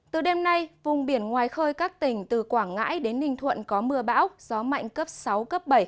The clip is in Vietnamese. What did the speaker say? từ đêm nay vùng biển ngoài khơi các tỉnh từ quảng ngãi đến ninh thuận có mưa bão gió mạnh cấp sáu cấp bảy